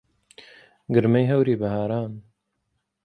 گرمەی هەوری بەهاران